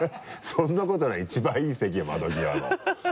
そんなことない一番いい席よ窓際の。